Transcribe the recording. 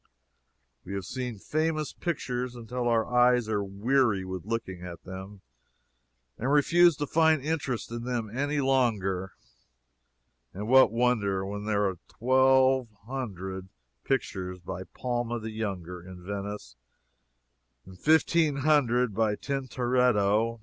We have seen famous pictures until our eyes are weary with looking at them and refuse to find interest in them any longer. And what wonder, when there are twelve hundred pictures by Palma the Younger in Venice and fifteen hundred by Tintoretto?